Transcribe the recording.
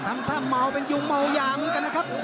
ทำท่าเมาเป็นอยู่เมายาเหมือนกันนะครับ